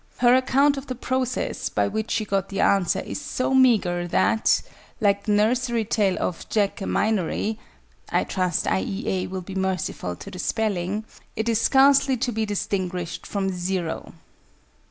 Her account of the process by which she got the answer is so meagre that, like the nursery tale of "Jack a Minory" (I trust I. E. A. will be merciful to the spelling), it is scarcely to be distinguished from "zero."